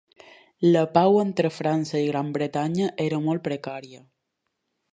La pau entre França i Gran Bretanya era molt precària.